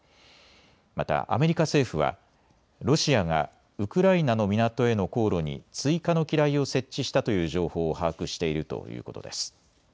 またアメリカ政府はロシアがウクライナの港への航路に追加の機雷を設置したという情報を把握しているということです。